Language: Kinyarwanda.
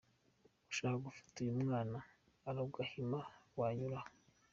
Ushaka gufasha uyu mwana Ella Gahima wanyura aha:.